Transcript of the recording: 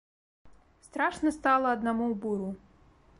Страшна стала аднаму ў буру.